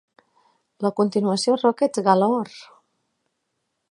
La continuació Rockets Galore!